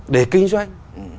để kinh doanh